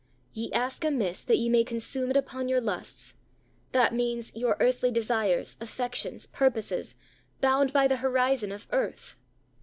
"Ye ask amiss, that ye may consume it upon your lusts" that means, your earthly desires, affections, purposes, bound by the horizon of earth.